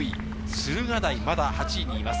駿河台、まだ８位にいます。